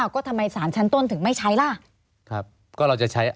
ก็ทำไมสารชั้นต้นถึงไม่ใช้ล่ะ